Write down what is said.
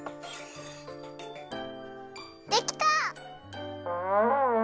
できた！